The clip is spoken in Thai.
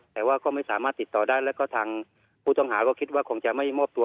แต่ว่าก็ไม่สามารถติดต่อได้แล้วก็ทางผู้ต้องหาก็คิดว่าคงจะไม่มอบตัว